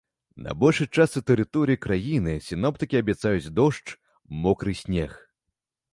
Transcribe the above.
На большай частцы тэрыторыі краіны сіноптыкі абяцаюць дождж, мокры снег.